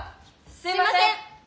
すいません！